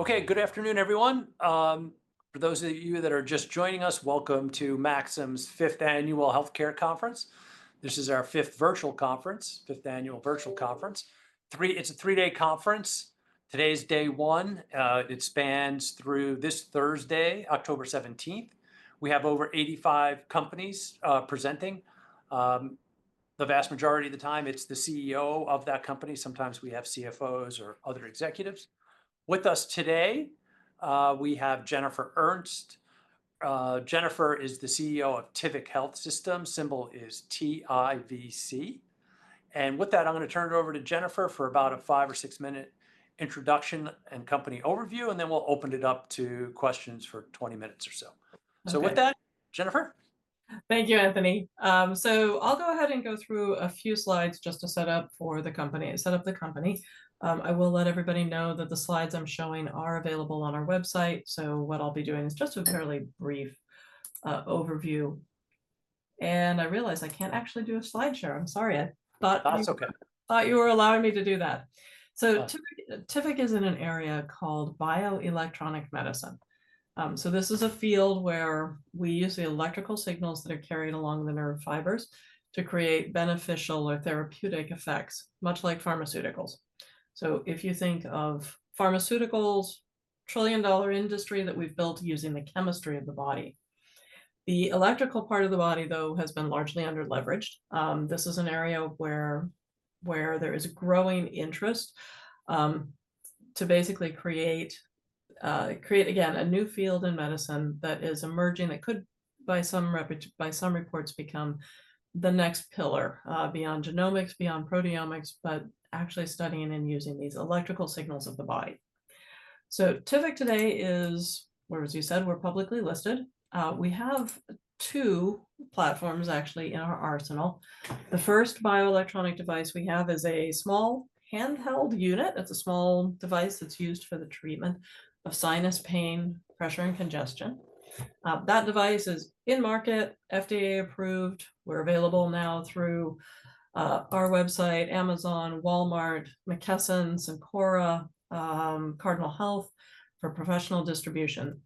Okay, good afternoon, everyone. For those of you that are just joining us, welcome to Maxim's Fifth Annual Healthcare Conference. This is our fifth virtual conference, fifth annual virtual conference. It's a three-day conference. Today is day one. It spans through this Thursday, October 17th. We have over 85 companies presenting. The vast majority of the time, it's the CEO of that company. Sometimes we have CFOs or other executives. With us today, we have Jennifer Ernst. Jennifer is the CEO of Tivic Health Systems, symbol is T-I-V-C. And with that, I'm gonna turn it over to Jennifer for about a five or six-minute introduction and company overview, and then we'll open it up to questions for 20 minutes or so. Okay. So with that, Jennifer? Thank you, Anthony, so I'll go ahead and go through a few slides just to set up the company. I will let everybody know that the slides I'm showing are available on our website, so what I'll be doing is just a fairly brief overview, and I realize I can't actually do a slide share. I'm sorry. I thought- That's okay... I thought you were allowing me to do that. Yeah. Tivic is in an area called bioelectronic medicine. This is a field where we use the electrical signals that are carried along the nerve fibers to create beneficial or therapeutic effects, much like pharmaceuticals. If you think of pharmaceuticals, trillion-dollar industry that we've built using the chemistry of the body. The electrical part of the body, though, has been largely under-leveraged. This is an area where there is growing interest to basically create, again, a new field in medicine that is emerging, that could, by some reports, become the next pillar, beyond genomics, beyond proteomics, but actually studying and using these electrical signals of the body. Tivic today is, well, as you said, we're publicly listed. We have two platforms actually in our arsenal. The first bioelectronic device we have is a small handheld unit. It's a small device that's used for the treatment of sinus pain, pressure, and congestion. That device is in market, FDA-approved. We're available now through our website, Amazon, Walmart, McKesson, Cencora, Cardinal Health, for professional distribution,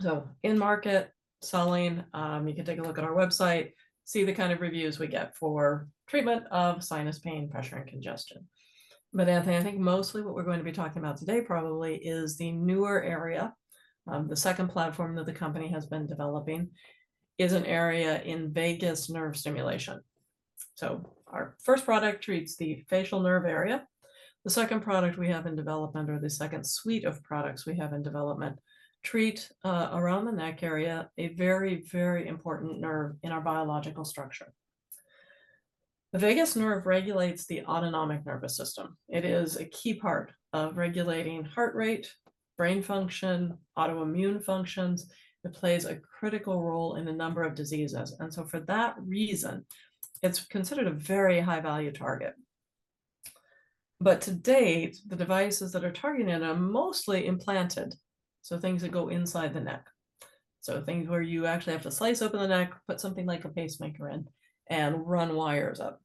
so in market, selling, you can take a look at our website, see the kind of reviews we get for treatment of sinus pain, pressure, and congestion. But Anthony, I think mostly what we're going to be talking about today probably is the newer area. The second platform that the company has been developing is an area in vagus nerve stimulation, so our first product treats the facial nerve area. The second product we have in development, or the second suite of products we have in development, treat around the neck area, a very, very important nerve in our biological structure. The vagus nerve regulates the autonomic nervous system. It is a key part of regulating heart rate, brain function, autoimmune functions. It plays a critical role in a number of diseases, and so for that reason, it's considered a very high-value target. But to date, the devices that are targeted are mostly implanted, so things that go inside the neck. So things where you actually have to slice open the neck, put something like a pacemaker in, and run wires up.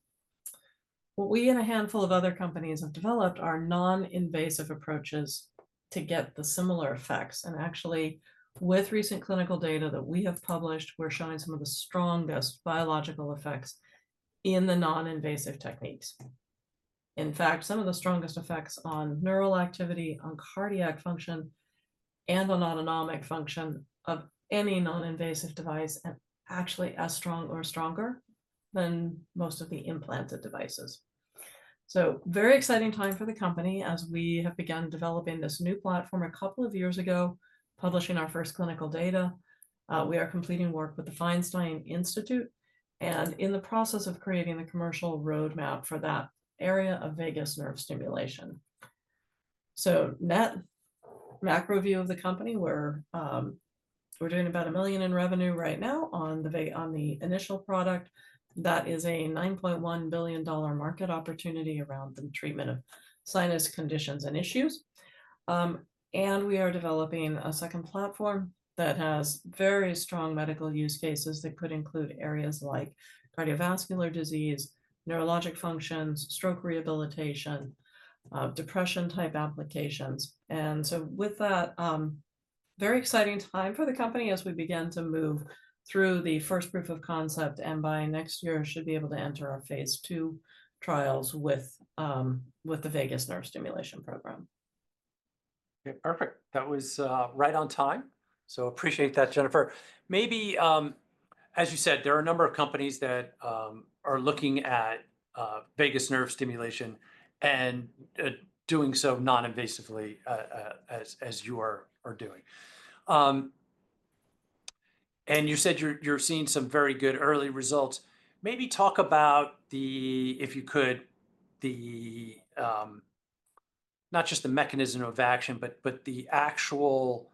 What we and a handful of other companies have developed are non-invasive approaches to get the similar effects, and actually, with recent clinical data that we have published, we're showing some of the strongest biological effects in the non-invasive techniques. In fact, some of the strongest effects on neural activity, on cardiac function, and on autonomic function of any non-invasive device, and actually as strong or stronger than most of the implanted devices. So very exciting time for the company as we have begun developing this new platform a couple of years ago, publishing our first clinical data. We are completing work with the Feinstein Institute, and in the process of creating the commercial roadmap for that area of vagus nerve stimulation. So net, macro view of the company, we're doing about $1 million in revenue right now on the initial product. That is a $9.1 billion market opportunity around the treatment of sinus conditions and issues. And we are developing a second platform that has very strong medical use cases that could include areas like cardiovascular disease, neurologic functions, stroke rehabilitation, depression-type applications. And so with that, very exciting time for the company as we begin to move through the first proof of concept, and by next year, should be able to enter our phase II trials with the vagus nerve stimulation program. Okay, perfect. That was right on time, so appreciate that, Jennifer. Maybe, as you said, there are a number of companies that are looking at vagus nerve stimulation and doing so non-invasively, as you are doing. And you said you're seeing some very good early results. Maybe talk about the... If you could, not just the mechanism of action, but the actual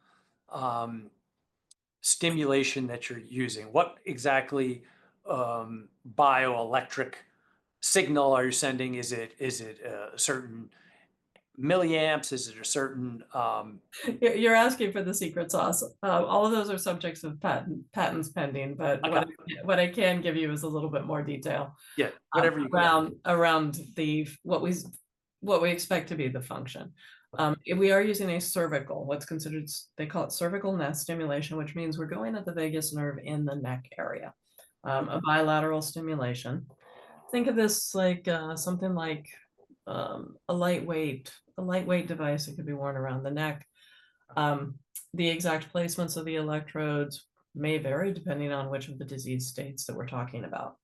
stimulation that you're using. What exactly bioelectric signal are you sending? Is it certain milliamps? Is it a certain- You're asking for the secret sauce. All of those are subjects of patents pending, but- Okay... what I can give you is a little bit more detail- Yeah, whatever you can.... around the what we expect to be the function. If we are using a cervical, what's considered they call it cervical nerve stimulation, which means we're going at the vagus nerve in the neck area, a bilateral stimulation. Think of this like something like a lightweight device that could be worn around the neck. The exact placements of the electrodes may vary depending on which of the disease states that we're talking about.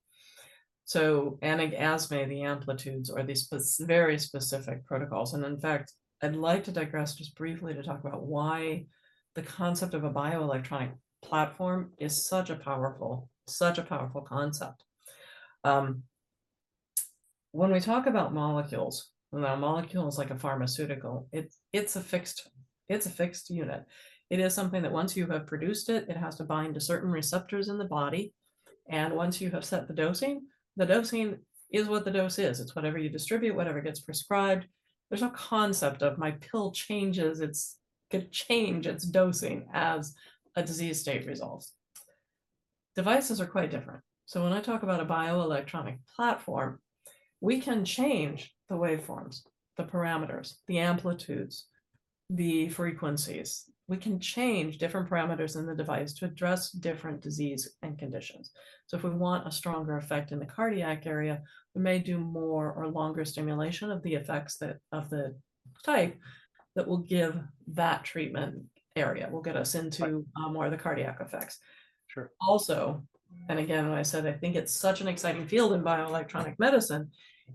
So asthma, the amplitudes, or these very specific protocols, and in fact, I'd like to digress just briefly to talk about why the concept of a bioelectronic platform is such a powerful concept. When we talk about molecules, when our molecule is like a pharmaceutical, it's a fixed unit. It is something that once you have produced it, it has to bind to certain receptors in the body, and once you have set the dosing, the dosing is what the dose is. It's whatever you distribute, whatever gets prescribed. There's no concept of my pill changes. It could change its dosing as a disease state resolves. Devices are quite different. So when I talk about a bioelectronic platform, we can change the waveforms, the parameters, the amplitudes, the frequencies. We can change different parameters in the device to address different disease and conditions. So if we want a stronger effect in the cardiac area, we may do more or longer stimulation of the effects that, of the type, that will give that treatment area. Will get us into- Right... more of the cardiac effects. Sure. Also, and again, I said I think it's such an exciting field in bioelectronic medicine: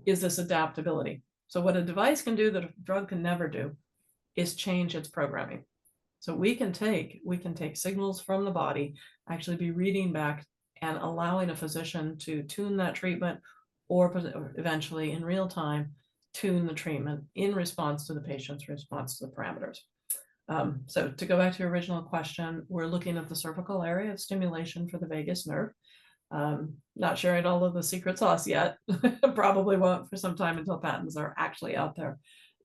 is this adaptability. So what a device can do that a drug can never do is change its programming. So we can take signals from the body, actually be reading back and allowing a physician to tune that treatment, or eventually, in real time, tune the treatment in response to the patient's response to the parameters. So to go back to your original question, we're looking at the cervical area of stimulation for the vagus nerve. Not sharing all of the secret sauce yet, probably won't for some time until patents are actually out there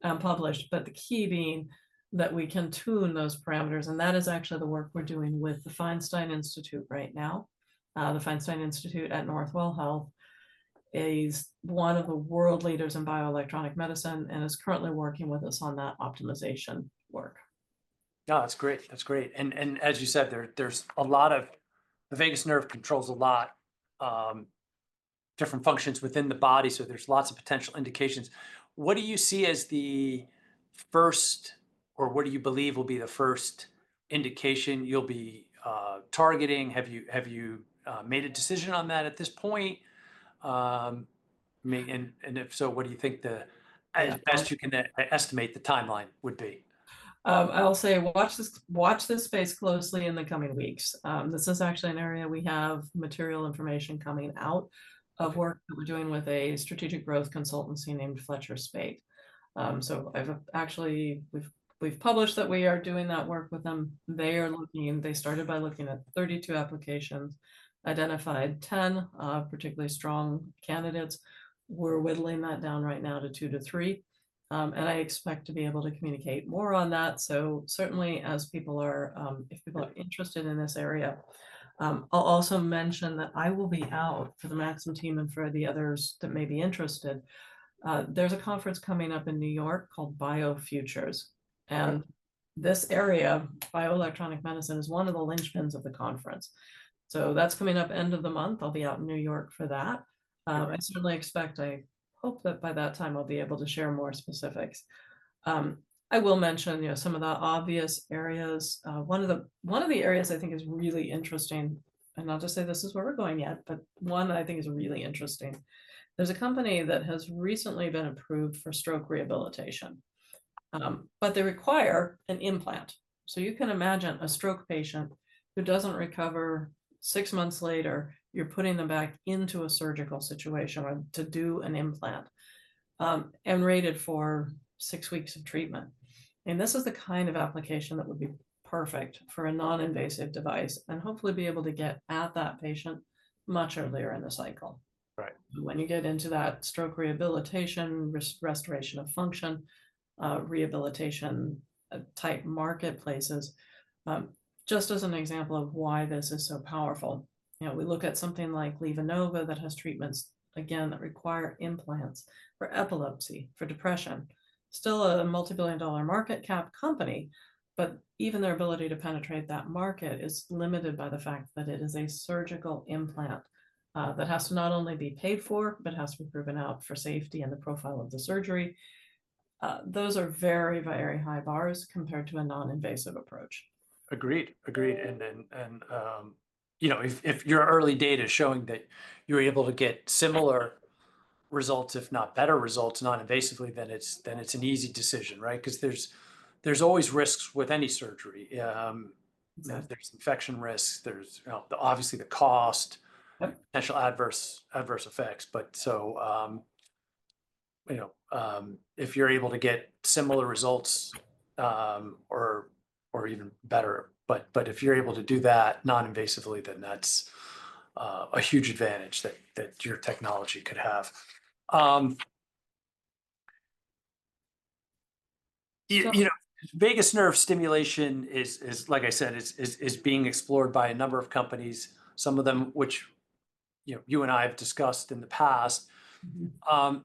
and published. But the key being that we can tune those parameters, and that is actually the work we're doing with the Feinstein Institute right now. The Feinstein Institute at Northwell Health is one of the world leaders in bioelectronic medicine and is currently working with us on that optimization work. No, that's great. That's great. And as you said, there's a lot of... The Vagus nerve controls a lot of different functions within the body, so there's lots of potential indications. What do you see as the first, or what do you believe will be the first indication you'll be targeting? Have you made a decision on that at this point, and if so, what do you think the- Yeah... as best you can estimate the timeline would be? I'll say, watch this, watch this space closely in the coming weeks. This is actually an area we have material information coming out of work- Right... that we're doing with a strategic growth consultancy named Fletcher Spaght. So I've actually, we've published that we are doing that work with them. They started by looking at 32 applications, identified 10 particularly strong candidates. We're whittling that down right now to two to three. And I expect to be able to communicate more on that, so certainly if people are interested in this area. I'll also mention that I will be out for the Maxim team and for the others that may be interested. There's a conference coming up in New York called BioFuture, and this area, bioelectronic medicine, is one of the linchpins of the conference. So that's coming up end of the month. I'll be out in New York for that. Right. I certainly expect, I hope that by that time I'll be able to share more specifics. I will mention, you know, some of the obvious areas. One of the areas I think is really interesting, and not to say this is where we're going yet, but one that I think is really interesting. There's a company that has recently been approved for stroke rehabilitation. But they require an implant. So you can imagine a stroke patient who doesn't recover. Six months later, you're putting them back into a surgical situation or to do an implant, and rated for six weeks of treatment. This is the kind of application that would be perfect for a non-invasive device, and hopefully be able to get at that patient much earlier in the cycle. Right. When you get into that stroke rehabilitation, restoration of function, rehabilitation type marketplaces, just as an example of why this is so powerful, you know, we look at something like LivaNova that has treatments, again, that require implants for epilepsy, for depression. Still a multibillion-dollar market cap company, but even their ability to penetrate that market is limited by the fact that it is a surgical implant that has to not only be paid for but has to be proven out for safety and the profile of the surgery. Those are very, very high bars compared to a non-invasive approach. Agreed. Agreed, and then, you know, if your early data is showing that you're able to get similar results, if not better results, non-invasively, then it's an easy decision, right? 'Cause there's always risks with any surgery. Yeah... there's infection risks, there's, well, obviously, the cost- Yep... potential adverse effects. But, so, you know, if you're able to get similar results or even better, but if you're able to do that non-invasively, then that's a huge advantage that your technology could have. You know, vagus nerve stimulation is, like I said, being explored by a number of companies, some of them which, you know, you and I have discussed in the past. Mm-hmm.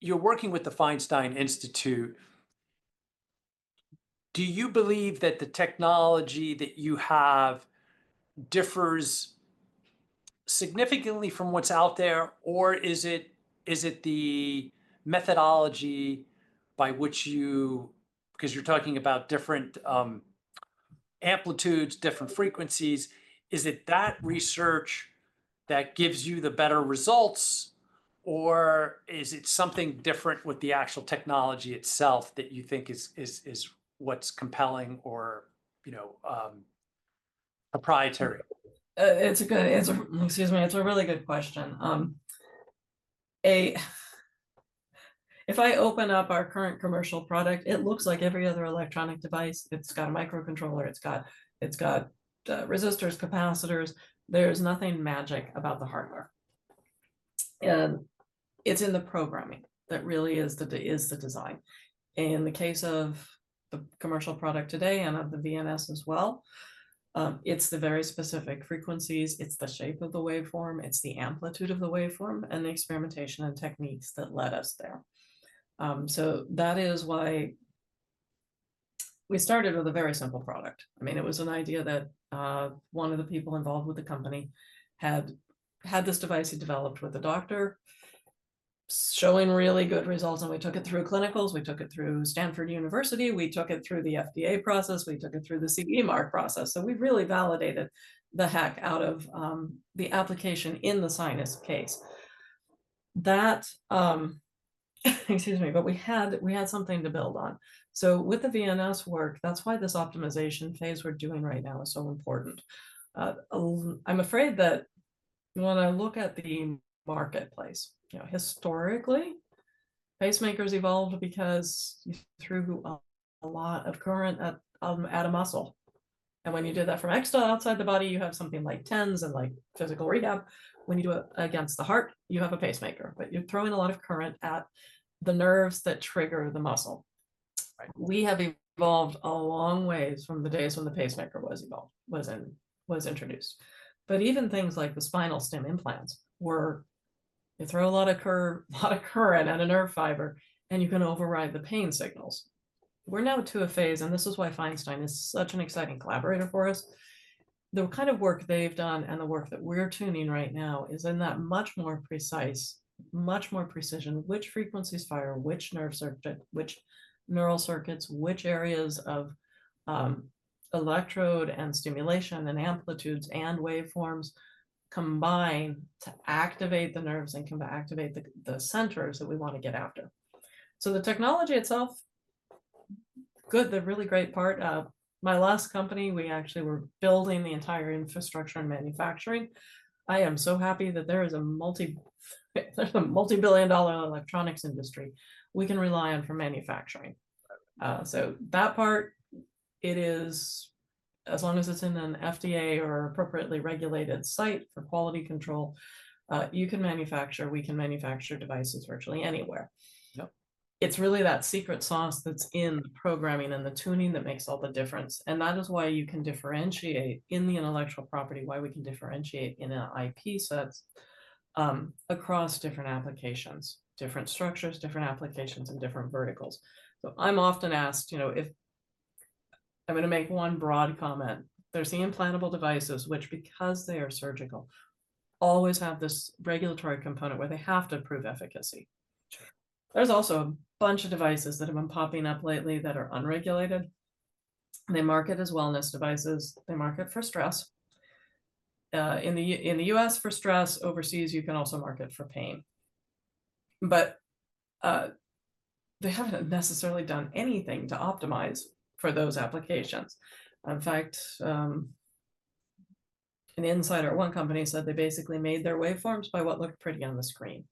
You're working with the Feinstein Institute. Do you believe that the technology that you have differs significantly from what's out there, or is it the methodology by which you... 'Cause you're talking about different amplitudes, different frequencies. Is it that research that gives you the better results, or is it something different with the actual technology itself that you think is what's compelling or, you know, proprietary? It's a really good question. If I open up our current commercial product, it looks like every other electronic device. It's got a microcontroller. It's got resistors, capacitors. There's nothing magic about the hardware, and it's in the programming that really is the design. In the case of the commercial product today, and of the VNS as well, it's the very specific frequencies, it's the shape of the waveform, it's the amplitude of the waveform, and the experimentation and techniques that led us there. That is why we started with a very simple product. I mean, it was an idea that, one of the people involved with the company had this device he developed with a doctor, showing really good results, and we took it through clinicals, we took it through Stanford University, we took it through the FDA process, we took it through the CE Mark process. So we really validated the heck out of the application in the sinus case. That, excuse me, but we had something to build on. So with the VNS work, that's why this optimization phase we're doing right now is so important. I'm afraid that when I look at the marketplace, you know, historically, pacemakers evolved because you threw a lot of current at a muscle. And when you do that from outside the body, you have something like TENS and like physical rehab. When you do it against the heart, you have a pacemaker. But you're throwing a lot of current at the nerves that trigger the muscle. We have evolved a long ways from the days when the pacemaker was evolved, was introduced. But even things like the spinal stim implants, where you throw a lot of current at a nerve fiber, and you can override the pain signals. We're now to a phase, and this is why Feinstein is such an exciting collaborator for us, the kind of work they've done and the work that we're tuning right now is in that much more precise, much more precision, which frequencies fire, which nerve circuit, which neural circuits, which areas of electrode and stimulation and amplitudes and waveforms combine to activate the nerves and can activate the centers that we wanna get after. So the technology itself, good. The really great part, my last company, we actually were building the entire infrastructure and manufacturing. I am so happy that there is a multibillion-dollar electronics industry we can rely on for manufacturing. So that part, it is, as long as it's in an FDA or appropriately regulated site for quality control, you can manufacture, we can manufacture devices virtually anywhere. Yep. It's really that secret sauce that's in the programming and the tuning that makes all the difference, and that is why you can differentiate in the intellectual property, why we can differentiate in our IP sets, across different applications, different structures, different applications, and different verticals. So I'm often asked, you know, if I'm gonna make one broad comment. There's the implantable devices which, because they are surgical, always have this regulatory component where they have to prove efficacy. There's also a bunch of devices that have been popping up lately that are unregulated. They market as wellness devices. They market for stress in the U.S. for stress, overseas you can also market for pain. But they haven't necessarily done anything to optimize for those applications. In fact, an insider at one company said they basically made their waveforms by what looked pretty on the screen.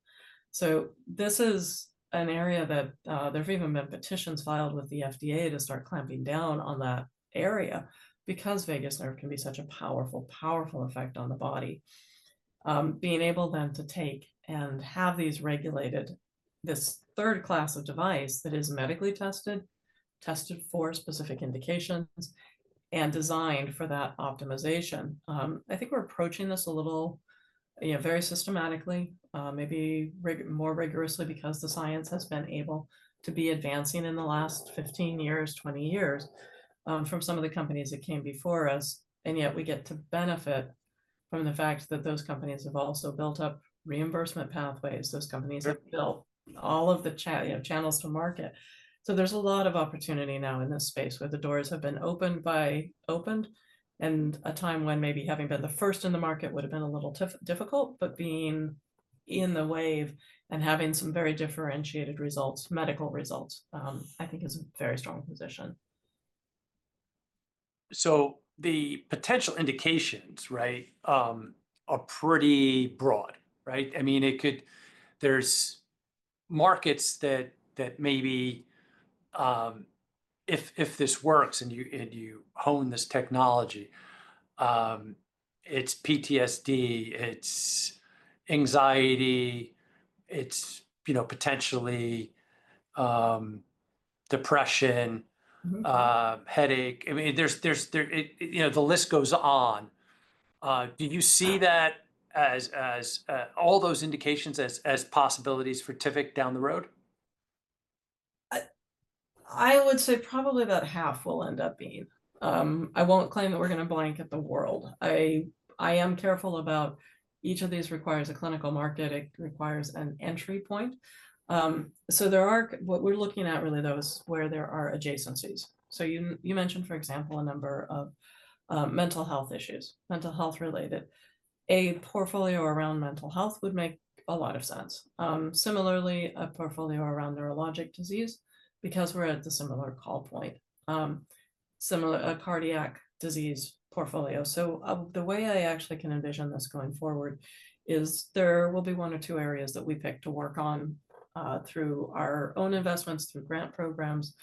So this is an area that there've even been petitions filed with the FDA to start clamping down on that area, because vagus nerve can be such a powerful, powerful effect on the body. Being able then to take and have these regulated, this third class of device that is medically tested, tested for specific indications, and designed for that optimization, I think we're approaching this a little, you know, very systematically, maybe more rigorously because the science has been able to be advancing in the last 15 years, 20 years, from some of the companies that came before us. And yet we get to benefit from the fact that those companies have also built up reimbursement pathways. Those companies- Sure... have built all of the, you know, channels to market. So there's a lot of opportunity now in this space where the doors have been opened by, and a time when maybe having been the first in the market would've been a little difficult. But being in the wave and having some very differentiated results, medical results, I think is a very strong position. The potential indications, right, are pretty broad, right? I mean, there's markets that maybe if this works, and you hone this technology, it's PTSD, it's anxiety, it's, you know, potentially, depression- Mm-hmm... headache. I mean, there's there it, you know, the list goes on. Do you see that as all those indications as possibilities for Tivic down the road? I would say probably about half will end up being. I won't claim that we're gonna blanket the world. I am careful about each of these requires a clinical market. It requires an entry point, so there are what we're looking at, really, though, is where there are adjacencies, so you mentioned, for example, a number of mental health issues, mental health-related. A portfolio around mental health would make a lot of sense. Similarly, a portfolio around neurologic disease because we're at the similar call point. Similar, a cardiac disease portfolio. So, the way I actually can envision this going forward is there will be one or two areas that we pick to work on, through our own investments, through grant programs,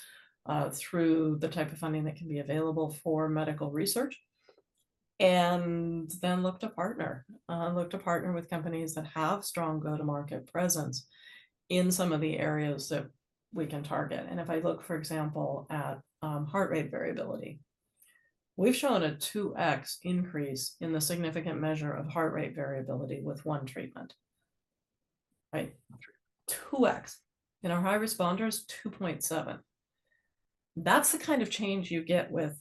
through the type of funding that can be available for medical research, and then look to partner with companies that have strong go-to-market presence in some of the areas that we can target. And if I look, for example, at heart rate variability, we've shown a 2x increase in the significant measure of heart rate variability with one treatment, right? 2x. In our high responders, 2.7. That's the kind of change you get with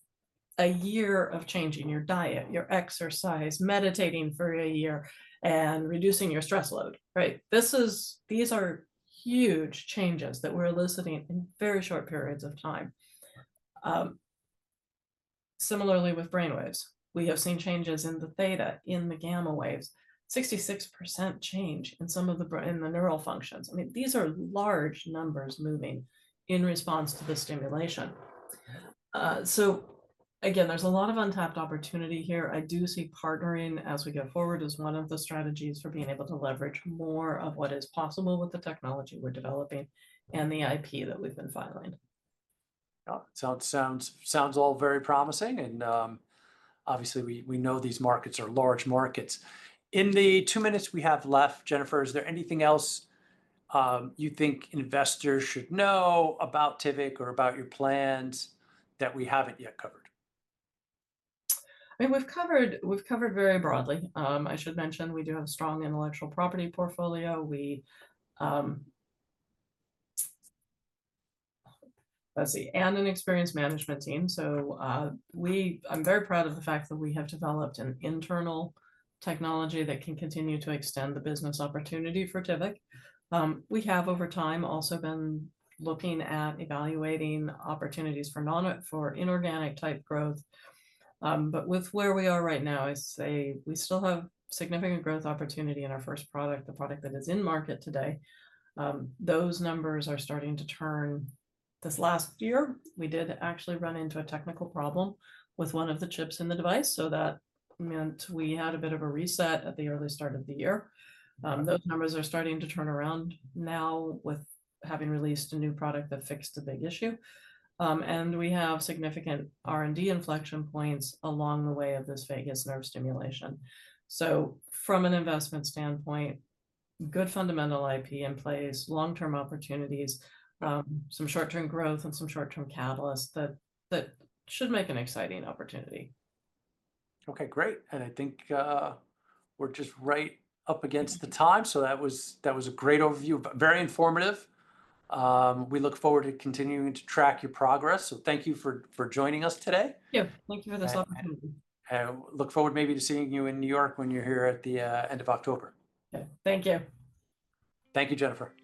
a year of changing your diet, your exercise, meditating for a year, and reducing your stress load, right? This is. These are huge changes that we're eliciting in very short periods of time. Similarly with brainwaves, we have seen changes in the theta, in the gamma waves, 66% change in some of the neural functions. I mean, these are large numbers moving in response to the stimulation. So again, there's a lot of untapped opportunity here. I do see partnering as we go forward as one of the strategies for being able to leverage more of what is possible with the technology we're developing and the IP that we've been filing. Yeah, sounds all very promising, and, obviously, we know these markets are large markets. In the two minutes we have left, Jennifer, is there anything else, you think investors should know about Tivic or about your plans that we haven't yet covered? I mean, we've covered very broadly. I should mention we do have strong intellectual property portfolio. We and an experienced management team. So, I'm very proud of the fact that we have developed an internal technology that can continue to extend the business opportunity for Tivic. We have, over time, also been looking at evaluating opportunities for non-or for inorganic-type growth. But with where we are right now, I'd say we still have significant growth opportunity in our first product, the product that is in market today. Those numbers are starting to turn. This last year, we did actually run into a technical problem with one of the chips in the device, so that meant we had a bit of a reset at the early start of the year. Those numbers are starting to turn around now with having released a new product that fixed the big issue, and we have significant R&D inflection points along the way of this vagus nerve stimulation, so from an investment standpoint, good fundamental IP in place, long-term opportunities, some short-term growth, and some short-term catalysts that should make an exciting opportunity. Okay, great. And I think, we're just right up against the time, so that was a great overview, but very informative. We look forward to continuing to track your progress, so thank you for joining us today. Yeah. Thank you for this opportunity. Look forward maybe to seeing you in New York when you're here at the end of October. Yeah. Thank you. Thank you, Jennifer.